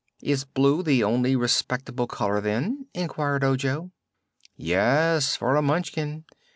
"Is blue the only respectable color, then?" inquired Ojo. "Yes, for a Munchkin.